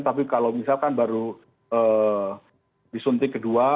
tapi kalau misalkan baru disuntik kedua